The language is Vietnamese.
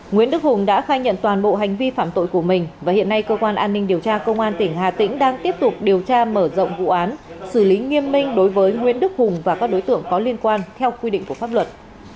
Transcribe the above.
nguyễn đức hùng đã khai nhận toàn bộ hành vi phạm tội của mình và hiện nay cơ quan an ninh điều tra công an tỉnh hà tĩnh đang tiếp tục điều tra mở rộng vụ án xử lý nghiêm minh đối với nguyễn đức hùng và các đối tượng có liên quan theo quy định của pháp luật